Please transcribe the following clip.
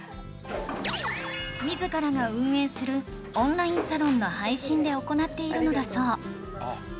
自らが運営するオンラインサロンの配信で行っているのだそう